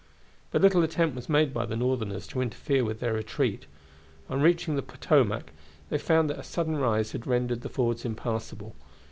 But little attempt was made by the Northerners to interfere with their retreat. On reaching the Potomac they found that a sudden rise had rendered the fords impassable.